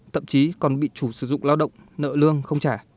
thậm chí còn bị chủ sử dụng lao động nợ lương không trả